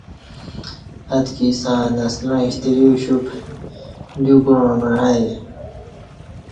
اتکی ستݩع اہ نسلعیں شتری اُوشُپ، دیو کوعاں مع ائے۔